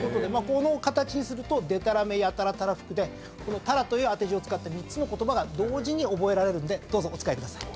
この形にすると「出鱈目」「矢鱈」「鱈腹」で鱈という当て字を使って３つの言葉が同時に覚えられるんでどうぞお使いください。